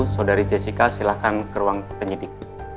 saudari jessica silahkan ke ruang penyidik